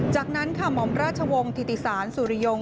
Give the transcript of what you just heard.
จากนั้นค่ะหม่อมราชวงศ์ธิติศาลสุริยง